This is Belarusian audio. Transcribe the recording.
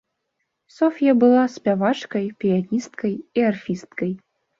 Соф'я была спявачкай, піяністкай і арфісткай.